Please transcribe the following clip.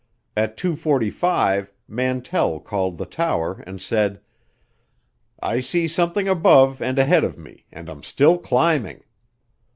At two forty five Mantell called the tower and said, "I see something above and ahead of me and I'm still climbing."